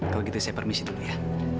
kalau gitu saya permisi dulu ya